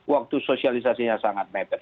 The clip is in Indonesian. waktu sosialisasinya sangat mepet